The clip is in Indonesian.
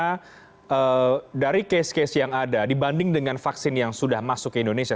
ini menjadi sorotan karena dari kes kes yang ada dibanding dengan vaksin yang sudah masuk ke indonesia